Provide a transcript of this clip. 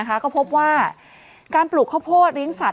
ก็พบว่าการปลูกข้าวโพดเลี้ยงสัต